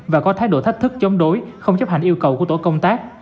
và có thái độ thách thức chống đối không chấp hành yêu cầu của tổ công tác